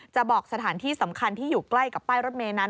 บอกสถานที่สำคัญที่อยู่ใกล้กับป้ายรถเมย์นั้น